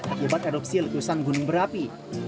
akibat erupsi letusan gunung berapi